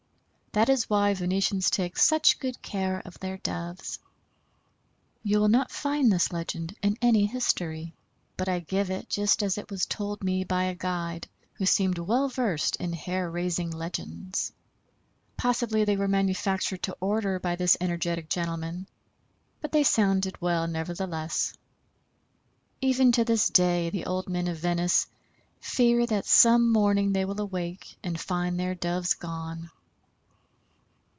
That is why Venetians take such good care of their Doves. You will not find this legend in any history, but I give it just as it was told me by a guide, who seemed well versed in hair raising legends. Possibly they were manufactured to order by this energetic gentleman, but they sounded well nevertheless. Even to this day the old men of Venice fear that some morning they will awake and find their Doves gone.